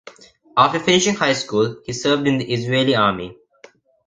After finishing high school, he served in the Israeli Army.